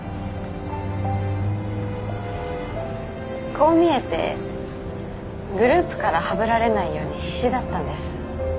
こう見えてグループからはぶられないように必死だったんです。